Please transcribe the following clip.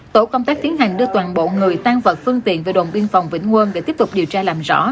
tổ công tác tiến hành đưa toàn bộ người tan vật phương tiện về đồn biên phòng vĩnh quân để tiếp tục điều tra làm rõ